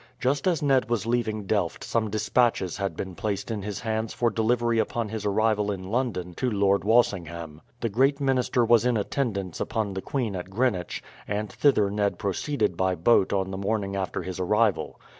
Just as Ned was leaving Delft some despatches had been placed in his hands for delivery upon his arrival in London to Lord Walsingham. The great minister was in attendance upon the queen at Greenwich, and thither Ned proceeded by boat on the morning after his arrival.